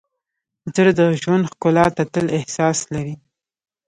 زړه د ژوند ښکلا ته تل احساس لري.